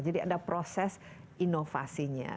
jadi ada proses inovasinya